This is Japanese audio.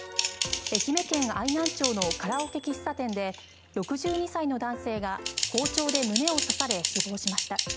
愛媛県愛南町のカラオケ喫茶店で６２歳の男性が包丁で胸を刺され死亡しました。